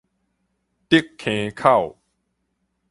竹坑口